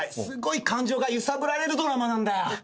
すごい感情が揺さぶられるドラマなんだよ。